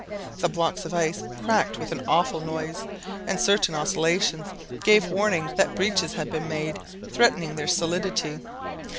The blocks of ice cracked with an awful noise, and certain oscillations gave warning that breaches had been made threatening their solidity.